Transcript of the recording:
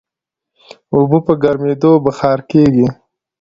اوبه په ګرمېدو بخار کېږي.